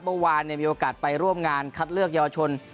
เมื่อวานมีโอกาสไปร่วมงานคัดเลือกเยาวชน